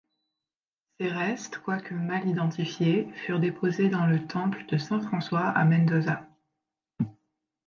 Ses restes, quoique mal identifiés, furent déposés dans le temple de Saint-François à Mendoza.